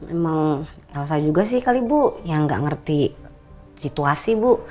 emang elsa juga sih kali bu ya nggak ngerti situasi bu